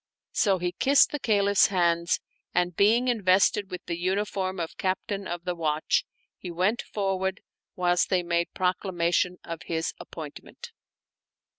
So he kissed the Caliph's hands, and, being invested with the uniform of Captain of the Watch, he went forth, whilst they made proclamation of his appointment.